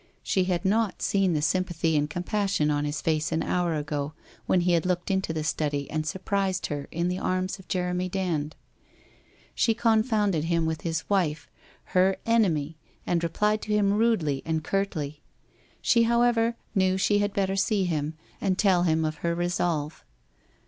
She had not seen the sympathy and compassion on his face an hour ago, when he had looked into the study and surprised her in the arms of Jeremy Dand. She confounded him with his wife, her enemy, and replied to him rudely and curtly. She, however, knew she had better see him, and tell him of her resolve.